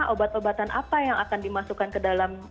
obat obatan apa yang akan dimasukkan ke dalam